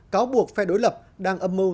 cáo buộc phe đối lập đang âm mưu